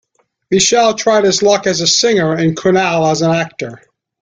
Vishal tried his luck as a singer and Kunal as an actor.